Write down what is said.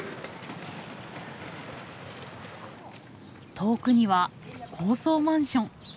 遠くには高層マンション。